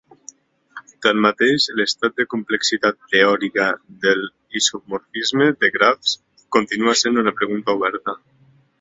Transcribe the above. Tanmateix, l'estat de complexitat teòrica de l'isomorfisme de grafs continua sent una pregunta oberta.